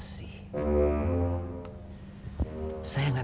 biar si mau